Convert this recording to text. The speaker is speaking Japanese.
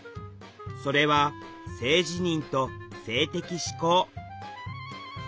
それは「性自認」と「性的指向」。